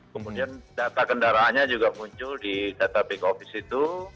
kemudian data kendaraannya juga muncul di data back office itu